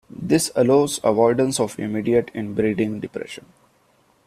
This allows avoidance of immediate inbreeding depression.